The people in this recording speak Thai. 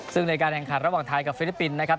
ซึ่งในการแข่งขันระหว่างไทยกับฟิลิปปินส์นะครับ